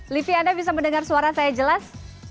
livi anda bisa mendengar suara saya jelas